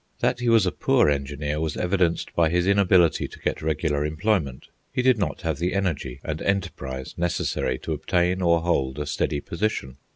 That he was a poor engineer was evidenced by his inability to get regular employment. He did not have the energy and enterprise necessary to obtain or hold a steady position.